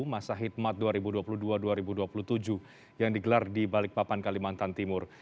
masa hitmat dua ribu dua puluh dua dua ribu dua puluh tujuh yang digelar di balikpapan kalimantan timur